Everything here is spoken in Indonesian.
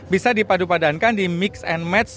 bisa dipadupadankan di mix and match